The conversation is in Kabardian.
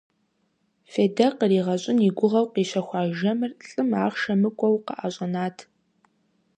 Фейдэ къригъэщӀын и гугъэу къищэхуа жэмыр лӀым ахъшэ мыкӀуэу къыӀэщӀэнат.